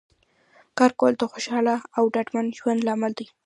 کار کول د خوشحاله او ډاډمن ژوند لامل دی